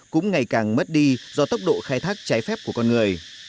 cũng ngày càng mất đi do tốc độ khai thác trái phép của con người